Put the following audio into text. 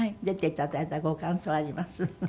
出ていただいたご感想あります？